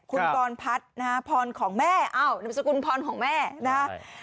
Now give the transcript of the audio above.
คุณปอนพัชนะฮะพรของแม่อ้าวหนุ่มสกุลพรของแม่นะฮะ